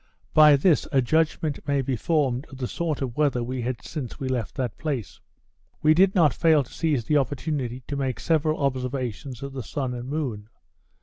By this a judgment may be formed of the sort of weather we had since we left that place. We did not fail to seize the opportunity to make several observations of the sun and moon.